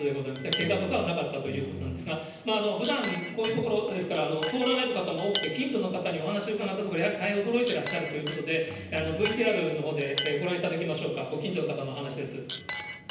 けがとかはなかったということなんですが、ふだん、こういう所ですから、通られる方も多くて、近所の方にお話を伺ったところ、やはり大変驚いてらっしゃるということで、ＶＴＲのほうでご覧いただきましょうか、ご近所の方のお話です。